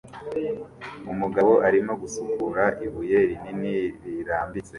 Umugabo arimo gusukura ibuye rinini rirambitse